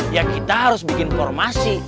ya kita harus bikin formasi